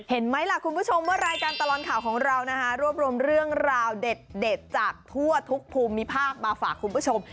เห็นไหมล่ะคุณผู้ชมว่ารายการตลอดข่าวของเรานะคะรวบรวมเรื่องราวเด็ดจากทั่วทุกภูมิภาคมาฝากคุณผู้ชม